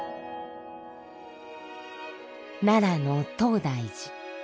奈良の東大寺。